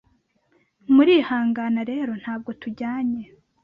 Murihangana rero ntabwo tujyanye